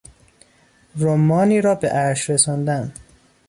رمانی را به عرش رساندن